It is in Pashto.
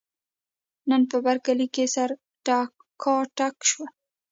نن په برکلي کې سره ټکاټک شول.